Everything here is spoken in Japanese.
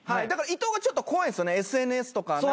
だから伊藤がちょっと怖いんすよねＳＮＳとか。